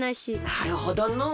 なるほどのう。